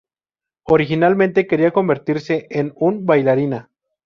Originalmente quería convertirse en un bailarina.